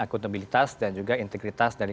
akuntabilitas dan juga integritas dari